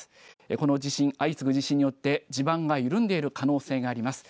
この地震、相次ぐ地震によって地盤が緩んでいる可能性があります。